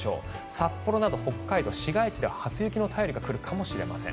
札幌など北海道市街地では初雪の便りが来るかもしれません。